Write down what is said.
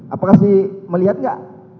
apakah saksi melihat gak